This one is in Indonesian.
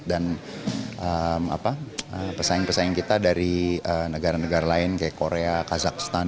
dan persaing persaing kita dari negara negara lain kayak korea kazakhstan